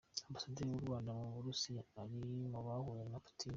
Ambasaderi w’u Rwanda mu Burusiya ari mu bahuye na Putin.